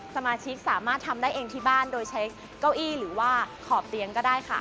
สมาชิกสามารถทำได้เองที่บ้านโดยใช้เก้าอี้หรือว่าขอบเตียงก็ได้ค่ะ